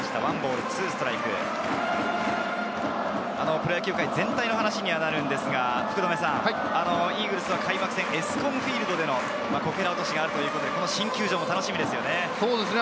プロ野球界全体の話になりますが、イーグルスは開幕戦、エスコンフィールドでの、こけら落としがあるということで、新球場も楽しみですよね。